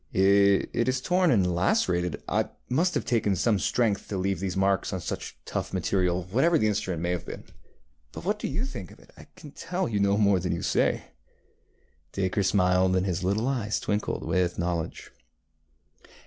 ŌĆØ ŌĆ£It is torn and lacerated. It must have taken some strength to leave these marks on such tough material, whatever the instrument may have been. But what do you think of it? I can tell that you know more than you say. ŌĆØ Dacre smiled, and his little eyes twinkled with knowledge.